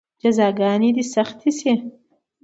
جزاګانې دې سختې شي.